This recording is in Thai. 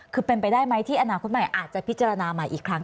คือเป็นไปได้ไหมที่อนาคตใหม่อาจจะพิจารณาใหม่อีกครั้ง